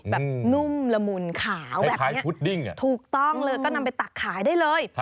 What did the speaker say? นุ่มละมุนขาวแบบนี้ถูกต้องเลยก็นำไปตักขายได้เลย